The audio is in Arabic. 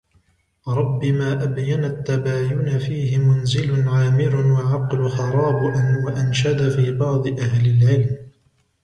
رَبِّ مَا أَبْيَنَ التَّبَايُنَ فِيهِ مَنْزِلٌ عَامِرٌ وَعَقْلٌ خَرَابُ وَأَنْشَدَ فِي بَعْضِ أَهْلِ الْعِلْمِ